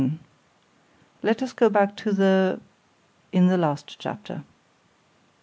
VII LET us go back to the ——in the last chapter.